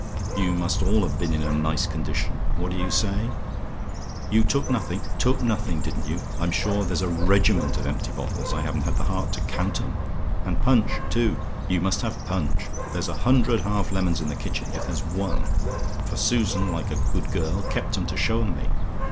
"You must all have been in a nice condition! What do you say? "YOU TOOK NOTHING? "Took nothing, didn't you? I'm sure there's such a regiment of empty bottles, I haven't had the heart to count 'em. And punch, too! you must have punch! There's a hundred half lemons in the kitchen, if there's one: for Susan, like a good girl, kept 'em to show 'em me.